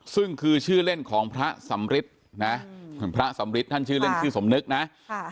ซึ่งคือชื่อเล่นของพระสำริทนะพระสำริทท่านชื่อเล่นชื่อสมนึกนะค่ะ